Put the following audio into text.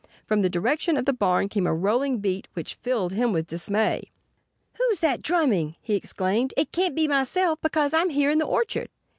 From the direction of the barn came a rolling beat which filled him with dismay. "Who's that drumming?" he exclaimed. "It can't be myself, because I'm here in the orchard."